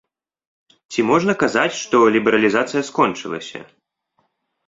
Ці можна казаць, што лібералізацыя скончылася?